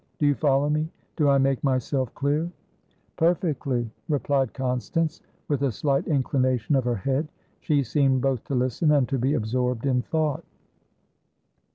Do you follow me? Do I make myself clear?" "Perfectly," replied Constance, with a slight inclination of her head. She seemed both to listen and to be absorbed in thought.